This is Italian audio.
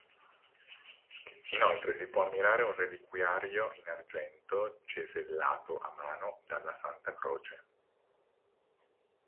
Inoltre si può ammirare un reliquiario in argento cesellato a mano della Santa Croce.